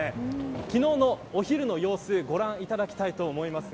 昨日のお昼の様子をご覧いただきたいと思います。